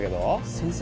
先生？